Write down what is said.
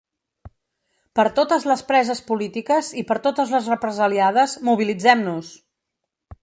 Per totes les preses polítiques i per totes les represaliades: mobilitzem-nos!